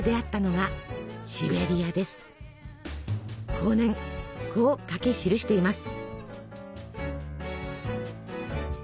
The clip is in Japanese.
後年こう書き記しています。